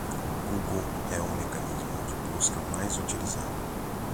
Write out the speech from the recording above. Google é o mecanismo de busca mais utilizado.